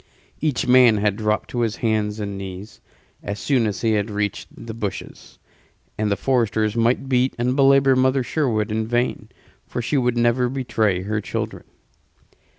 Each man had dropped to his hands and knees as soon as he had reached the bushes; and the foresters might beat and belabor Mother Sherwood in vain, for she would never betray her children.